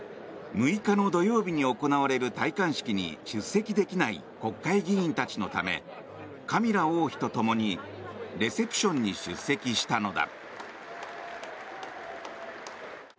６日の土曜日に行われる戴冠式に出席できない国会議員たちのためカミラ王妃とともにレセプションに出席したのだ。